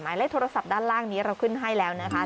เลขโทรศัพท์ด้านล่างนี้เราขึ้นให้แล้วนะคะ